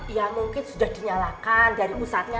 ya mungkin sudah dinyalakan dari pusatnya